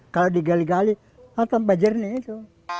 kalau digali gali sampai jernih itu